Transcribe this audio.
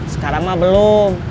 sekarang mah belum